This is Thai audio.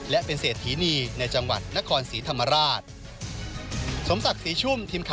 และเป็นเศรษฐีนีในจังหวัดนครศรีธรรมราช